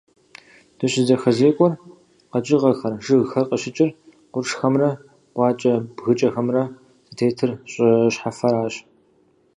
ДыщызэхэзекӀуэр, къэкӀыгъэхэр, жыгхэр къыщыкӀыр, къуршхэмрэ къуакӀэ-бгыкӀэхэмрэ зытетыр щӀы щхьэфэращ.